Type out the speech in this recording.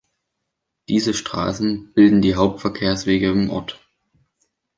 Diese Straßen bilden die Hauptverkehrswege im Ort.